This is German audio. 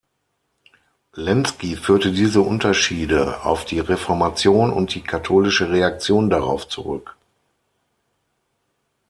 Lenski führte diese Unterschiede auf die Reformation und die katholische Reaktion darauf zurück.